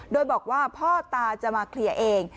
โดยบอกว่าพ่อตาจะมาเคลียร์เอง